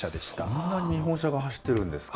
そんなに日本車が走っているんですか。